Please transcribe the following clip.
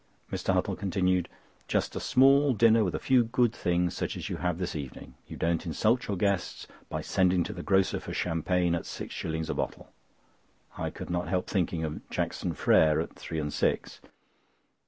Mr. Huttle continued: "Just a small dinner with a few good things, such as you have this evening. You don't insult your guests by sending to the grocer for champagne at six shillings a bottle." I could not help thinking of "Jackson Frères" at three and six!